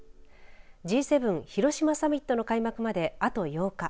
Ｇ７広島サミットの開幕まであと８日。